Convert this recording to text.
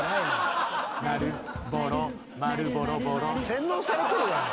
洗脳されとるやん